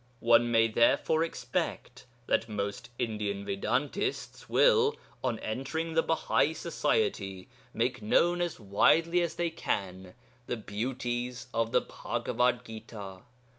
One may therefore expect that most Indian Vedantists will, on entering the Bahai Society, make known as widely as they can the beauties of the Bhagavad Gita.